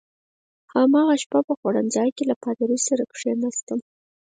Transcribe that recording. هماغه شپه په خوړنځای کې له پادري سره کېناستم.